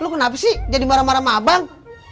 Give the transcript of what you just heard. lu kenapa sih jadi marah marah mah abang